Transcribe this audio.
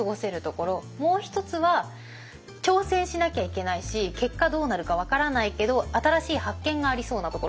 もう一つは挑戦しなきゃいけないし結果どうなるか分からないけど新しい発見がありそうなところ。